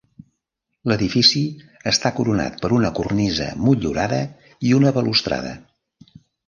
L'edifici està coronat per una cornisa motllurada i una balustrada.